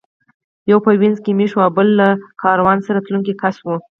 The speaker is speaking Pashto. یو په وینز کې مېشت و او بل له کاروان سره تلونکی کس و